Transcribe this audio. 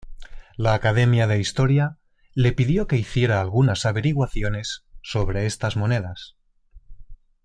La Academia de Historia le pidió que hiciera algunas averiguaciones sobre estas monedas.